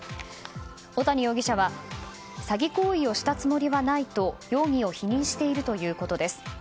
小谷容疑者は詐欺行為をしたつもりはないと容疑を否認しているということです。